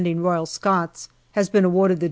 Royal Scots, has been awarded the D.